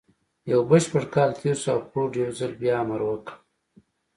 يو بشپړ کال تېر شو او فورډ يو ځل بيا امر وکړ.